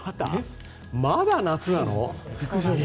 まだ夏日なの？